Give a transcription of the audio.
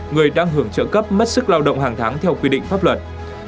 người đang hưởng trợ cấp mất sức lao động hàng tháng theo quy định pháp luật